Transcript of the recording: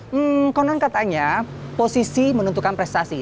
hmm konon katanya posisi menentukan prestasi